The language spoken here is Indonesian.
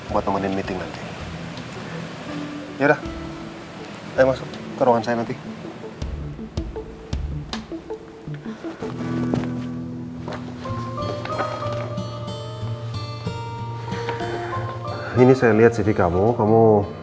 buat temenin meeting nanti yaudah eh masuk ke ruangan saya nanti ini saya lihat cv kamu kamu